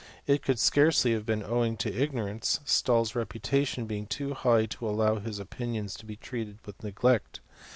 t could scarcely have been owing to ignorance, Stahl's reputation being too high to allow his opinions to be treated with neglect.